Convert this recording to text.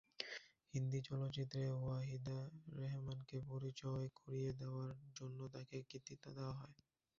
হিন্দি চলচ্চিত্রে ওয়াহিদা রেহমানকে পরিচয় করিয়ে দেওয়ার জন্য তাকে কৃতিত্ব দেওয়া হয়।